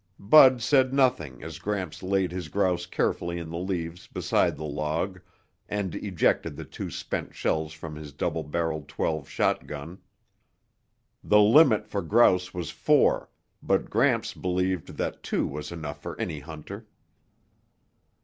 Bud said nothing as Gramps laid his grouse carefully in the leaves beside the log and ejected the two spent shells from his double barreled twelve shotgun. The limit for grouse was four, but Gramps believed that two was enough for any hunter.